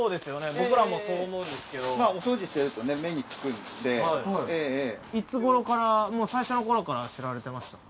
僕らもそう思うんですけどまあお掃除してるとね目につくんでええええいつ頃からもう最初の頃から知られてました？